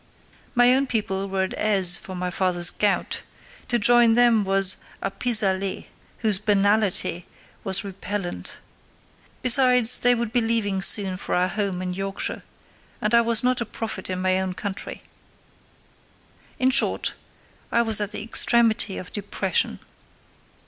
My own people were at Aix for my father's gout; to join them was a pis aller whose banality was repellent. Besides, they would be leaving soon for our home in Yorkshire, and I was not a prophet in my own country. In short, I was at the extremity of depression.